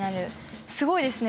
すごいですね。